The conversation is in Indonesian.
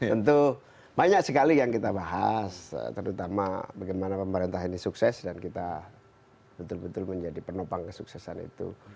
tentu banyak sekali yang kita bahas terutama bagaimana pemerintah ini sukses dan kita betul betul menjadi penopang kesuksesan itu